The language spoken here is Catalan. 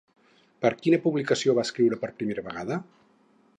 Per a quina publicació va escriure per primera vegada?